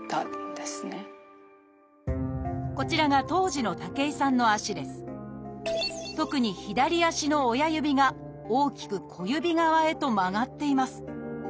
こちらが当時の特に左足の親指が大きく小指側へと曲がっています。